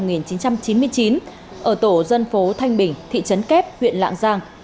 năm một nghìn chín trăm chín mươi chín ở tổ dân phố thanh bình thị trấn kép huyện lạng giang